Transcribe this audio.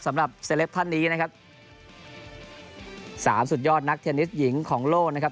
สำหรับเซลปท่านนี้นะครับสามสุดยอดนักเทนนิสหญิงของโลกนะครับ